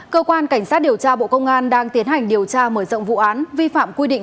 cơ quan cảnh sát điều tra bộ công an đang tiến hành điều tra mở rộng vụ án vi phạm quy định